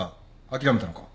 諦めたのか？